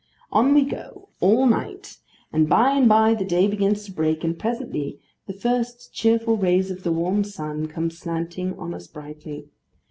On we go, all night, and by and by the day begins to break, and presently the first cheerful rays of the warm sun come slanting on us brightly.